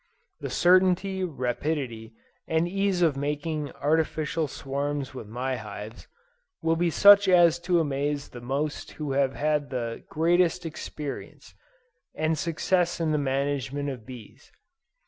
The certainty, rapidity and ease of making artificial swarms with my hives, will be such as to amaze those most who have had the greatest experience and success in the management of bees.